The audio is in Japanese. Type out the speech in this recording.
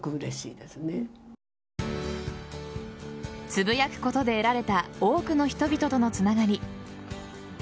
つぶやくことで得られた多くの人々とのつながり。